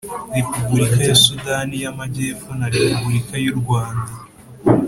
Repubulika ya Sudani y Amajyepfo na Repubulika y u rwanda